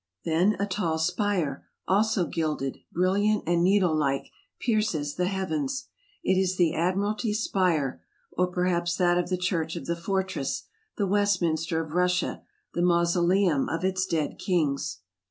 Then a tall spire, also gilded, brilliant and needle like, pierces the heavens! It is the Admiralty spire, or perhaps that of the Church of the Fortress, the Westminster of Russia, the mausoleum of its dead kings.